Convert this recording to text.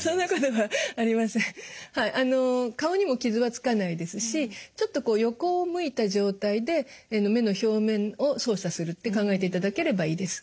はい顔にも傷はつかないですしちょっと横を向いた状態で目の表面を操作するって考えていただければいいです。